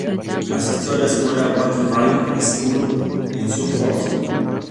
Asistió a la escuela Woodbridge School en Suffolk.